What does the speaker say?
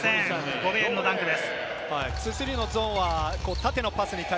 ゴベールのダンクです。